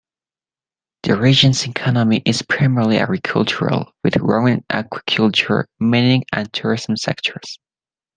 The region's economy is primarily agricultural, with growing aquaculture, mining and tourism sectors.